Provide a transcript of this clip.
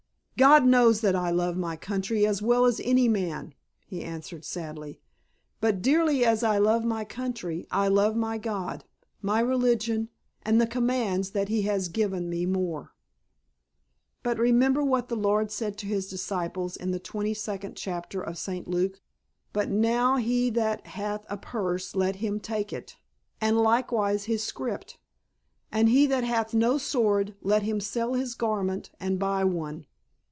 "God knows that I love my country as well as any man," he answered sadly. "But dearly as I love my country I love my God, my religion and the commands that He has given more." "But remember what the Lord said to His disciples, in the twenty second chapter of St. Luke: 'But now he that hath a purse, let him take it, and likewise his scrip: and he that hath no sword, let him sell his garment, and buy one.